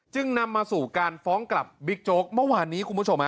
จึงนำมาสู่การฟ้องกลับบิ๊กโจ๊กเมื่อวานนี้คุณผู้ชม